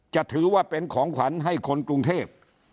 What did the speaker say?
จะถือว่าเป็นของขวัญให้คนกรุงเทพ